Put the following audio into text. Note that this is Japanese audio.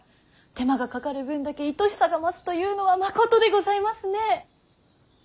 手間がかかる分だけいとしさが増すというのはまことでございますね。